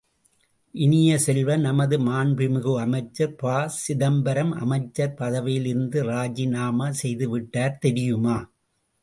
இனிய செல்வ, நமது மாண்புமிகு அமைச்சர் ப.சிதம்பரம் அமைச்சர் பதவியிலிருந்து ராஜிநாமா செய்து விட்டார், தெரியுமா?